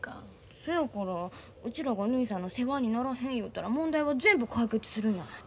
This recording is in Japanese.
そやからうちらがぬひさんの世話にならへん言うたら問題は全部解決するやないの。